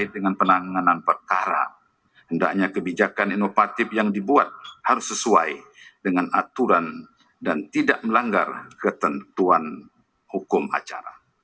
dengan penanganan perkara hendaknya kebijakan inovatif yang dibuat harus sesuai dengan aturan dan tidak melanggar ketentuan hukum acara